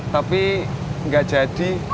tapi gak jadi